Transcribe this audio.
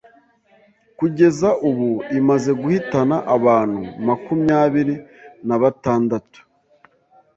Kugeza ubu imaze guhitana abantu makumyabiri nabatandatu